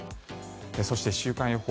そして週間予報。